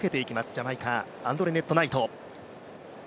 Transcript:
ジャマイカ、アンドレネット・ナイト。